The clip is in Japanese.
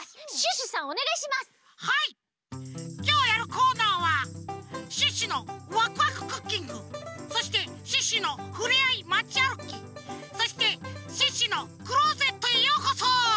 きょうやるコーナーは「シュッシュのワクワククッキング」そして「シュッシュのふれあいまちあるき」そして「シュッシュのクローゼットへようこそ」！